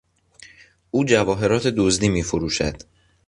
او جواهرات دزدی میفروشد.